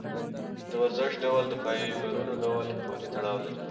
د ورزش ډول د فایبرونو ډول پورې تړاو لري.